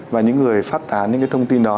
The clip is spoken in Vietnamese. và những người phát tán những cái thông tin đó